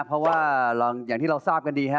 เพราะว่าอย่างที่เราทราบกันดีฮะ